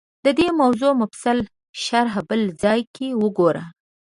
دې موضوع مفصله شرحه بل ځای کې وګورو